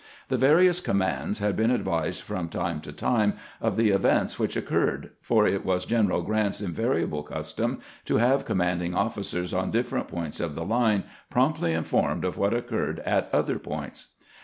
The various commands had been advised from time to time of the events which occurred, for it was Greneral Grant's invariable custom to have commanding officers on different points of the line promptly informed of what occurred at other poiats.